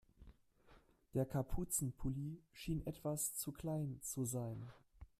Der Kapuzenpulli schien etwas zu klein zu sein.